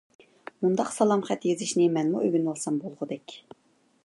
مۇنداق سالام خەت يېزىشنى مەنمۇ ئۆگىنىۋالسام بولغۇدەك.